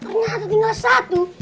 ternyata tinggal satu